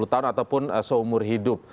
dua puluh tahun ataupun seumur hidup